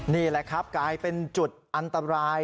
นี่แหละครับกลายเป็นจุดอันตราย